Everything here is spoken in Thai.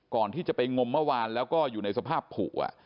ก่อนที่จะไปงมเมื่อวานแล้วก็อยู่ในสภาพผู